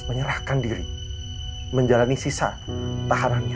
menyerahkan diri menjalani sisa tahanannya